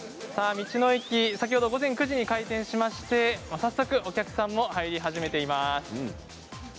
道の駅、先ほど午前９時に開店しまして早速、お客様も入り始めています。